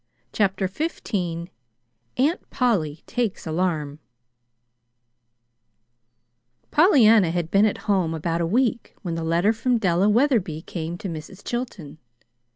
CHAPTER XV AUNT POLLY TAKES ALARM Pollyanna had been at home about a week when the letter from Della Wetherby came to Mrs. Chilton.